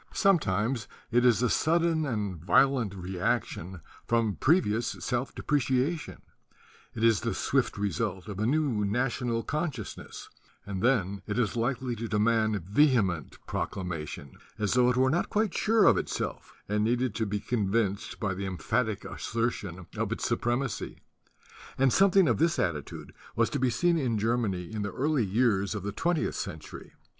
Someiinu , it is a sudden and vio 29 THE DUTY OF THE INTELLECTUALS lent reaction from previous self depreciation; it is the swift result of a new national conscious ness; and then it is likely to demand vehement proclamation, as tho it were not quite sure of itself and needed to be convinced by the em phatic assertion of its supremacy; and something of this attitude was to be seen in Germany in the early years of the twentieth century.